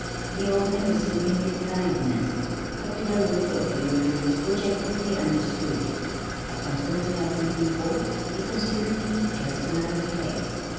The old man received me with kindness, but with a look of weariness which I quickly understood. Accustomed to helping people he considered me just another "Case."